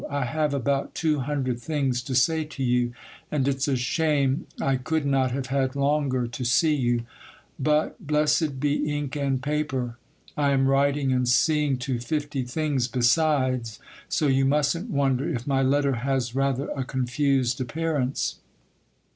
I have about two hundred things to say to you, and it's a shame I could not have had longer to see you; but blessed be ink and paper! I am writing and seeing to fifty things besides; so you musn't wonder if my letter has rather a confused appearance.